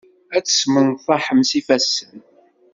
Ad temsenḍaḥem s ifassen.